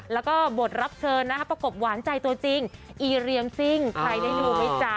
แล้วก็บทรับเชิญนะคะประกบหวานใจตัวจริงอีเรียมซิ่งใครได้ดูไหมจ๊ะ